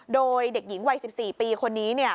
โดยเด็กหญิงวัย๑๔ปีคนนี้